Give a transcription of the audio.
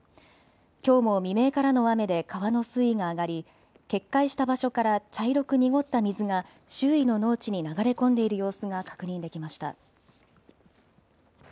きょうも未明からの雨で川の水位が上がり決壊した場所から茶色く濁った水が周囲の農地に流れ込んでいる様子が確認できました。